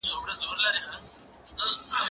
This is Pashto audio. زه به سبا موسيقي اورم،